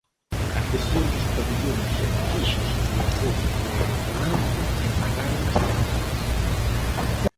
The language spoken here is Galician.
A cesión dos pavillóns fíxose de acordo coa ordenanza e pagaron as tarifas.